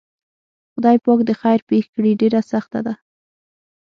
خدای پاک دې خیر پېښ کړي ډېره سخته ده.